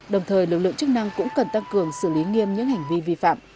đồng thời lực lượng chức năng cũng cần tăng cường xử lý nghiêm những hành vi vi phạm